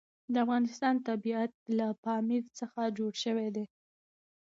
د افغانستان طبیعت له پامیر څخه جوړ شوی دی.